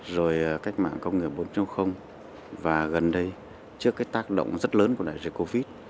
rồi cách mạng công nghiệp bốn và gần đây trước cái tác động rất lớn của đại dịch covid